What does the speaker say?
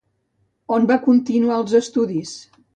On va continuar els estudis?